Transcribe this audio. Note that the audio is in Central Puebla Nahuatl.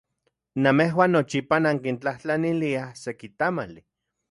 Namejuan nochipa nankintlajtlaniliaj seki tamali.